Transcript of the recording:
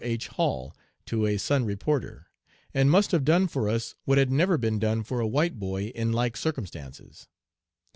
H. Hall, to a Sun reporter and must have done for us 'what had never been done for a white boy in like circumstances.'